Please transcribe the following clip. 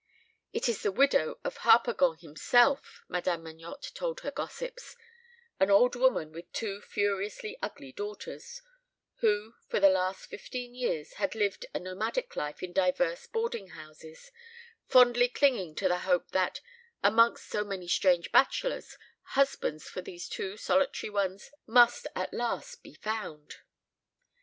"It is the widow of Harpagon himself," Madame Magnotte told her gossips an old woman with two furiously ugly daughters, who for the last fifteen years had lived a nomadic life in divers boarding houses, fondly clinging to the hope that, amongst so many strange bachelors, husbands for these two solitary ones must at last be found.